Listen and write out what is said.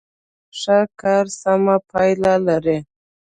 ښه کار سمه پایله لري.